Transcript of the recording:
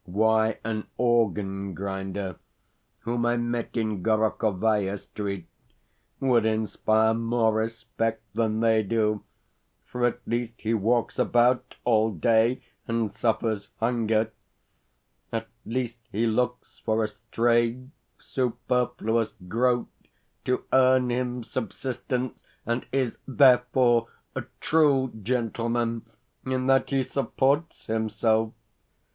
Why, an organ grinder whom I met in Gorokhovaia Street would inspire more respect than they do, for at least he walks about all day, and suffers hunger at least he looks for a stray, superfluous groat to earn him subsistence, and is, therefore, a true gentleman, in that he supports himself.